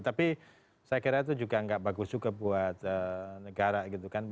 tapi saya kira itu juga nggak bagus juga buat negara gitu kan